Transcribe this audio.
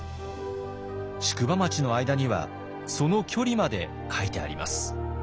宿場町の間にはその距離まで書いてあります。